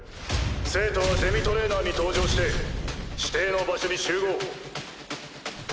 生徒はデミトレーナーに搭乗して指定の場所に集合。